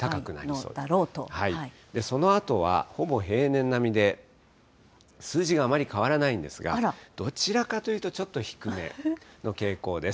そのあとはほぼ平年並みで、数字があまり変わらないんですが、どちらかというとちょっと低めの傾向です。